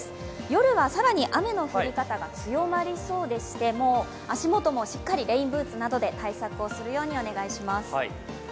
夜は更に雨の降り方が強まりそうでして足元もしっかりレインブーツなどで対策をするようにお願いします。